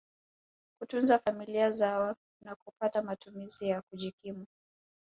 kutunza familia zao na kupata matumizi ya kujikimu